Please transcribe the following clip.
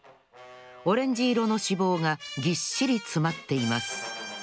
オレンジいろの脂肪がぎっしりつまっています。